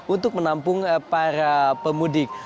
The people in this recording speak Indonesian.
untuk menampung para pemudik